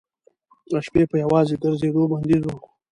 د شپې په یوازې ګرځېدو بندیز و.